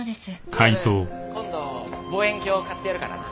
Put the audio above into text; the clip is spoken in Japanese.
昴今度望遠鏡買ってやるからな。